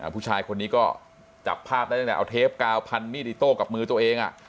ผู้ชายคนนี้ก็จับภาพได้ตั้งแต่เอาเทปกาวพันมีดอิโต้กับมือตัวเอง